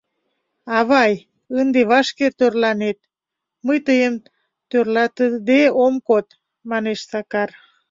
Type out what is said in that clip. — Авай, ынде вашке тӧрланет, мый тыйым тӧрлатыде ом код, — манеш Сакар.